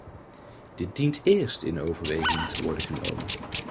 Dit dient eerst in overweging te worden genomen.